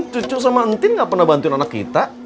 cucu sama entin gak pernah bantuin anak kita